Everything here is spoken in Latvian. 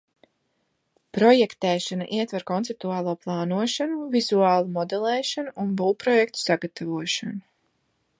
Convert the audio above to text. Projektēšana ietver konceptuālo plānošanu, vizuālu modelēšanu un būvprojektu sagatavošanu.